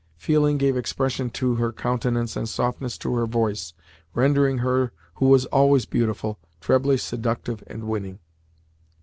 Feeling gave expression to her countenance and softness to her voice, rendering her who was always beautiful, trebly seductive and winning.